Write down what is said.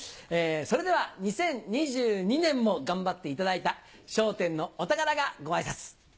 それでは２０２２年も頑張っていただいた『笑点』のお宝がご挨拶。